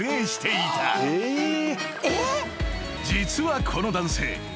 ［実はこの男性。